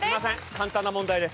簡単な問題で。